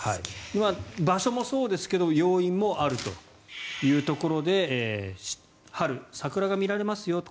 場所もそうですが要因もあるというところで春、桜が見られますよと。